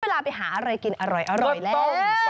เวลาไปหาอะไรกินอร่อยแล้ว